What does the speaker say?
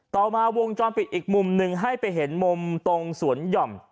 ต่อมาวงจรปิดอีกมุมหนึ่งให้ไปเห็นมุมตรงสวนหย่อม